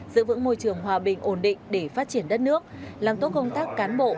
giữ vững môi trường hòa bình ổn định để phát triển đất nước làm tốt công tác cán bộ